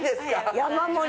山盛りで。